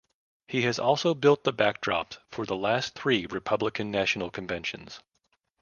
He has also built the backdrops for the last three Republican National Conventions.